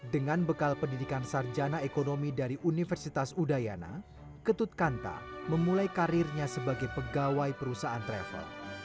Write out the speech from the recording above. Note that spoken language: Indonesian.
dengan bekal pendidikan sarjana ekonomi dari universitas udayana ketut kanta memulai karirnya sebagai pegawai perusahaan travel